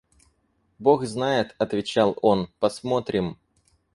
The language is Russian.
«Бог знает, – отвечал он, – посмотрим.